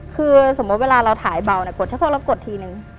คือสมมติเวลาเราถ่ายเบานะกดชะโคกแล้วกดทีนึง